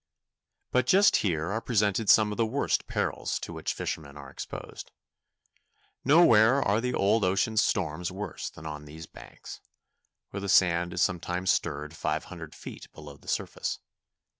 But just here are presented some of the worst perils to which fishermen are exposed. Nowhere are old ocean's storms worse than on these Banks, where the sand is sometimes stirred five hundred feet below the surface.